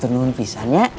satu numpisan ya